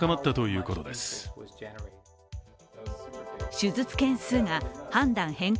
手術件数が判断変更